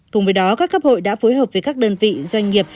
cùng với đó các cấp hội đã phối hợp với các đơn vị doanh nghiệp